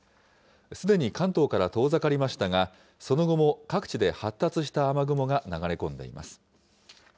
すでに関東から遠ざかりましたが、その後も各地で発達した雨雲が流れ込んでいます。